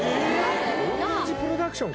同じプロダクションか。